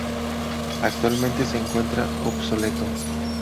Actualmente se encuentra obsoleto.